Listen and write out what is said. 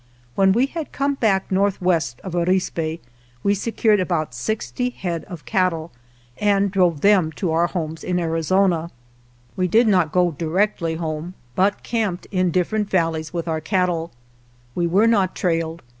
When we had come back northwest of Arispe we se cured about sixty head of cattle, and drove them to our homes in Arizona. We did not go directly home, but camped in different s Gulf of California. 77 GERONIMO valleys with our cattle. We were not trailed.